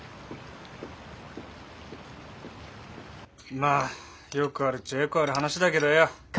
まあよくあるっちゃよくある話だけどよ